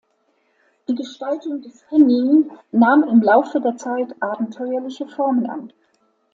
Die Gestaltung des Hennin nahm im Laufe der Zeit abenteuerliche Formen an.